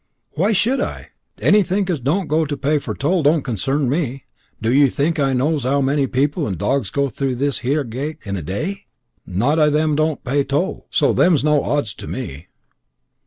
"Why should I? Anythink as don't go for to pay toll don't concern me. Do ye think as I knows 'ow many people and dogs goes through this heer geatt in a day? Not I them don't pay toll, so them's no odds to me."